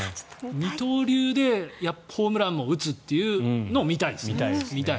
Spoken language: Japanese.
二刀流でホームランも打つというのを見たいですね。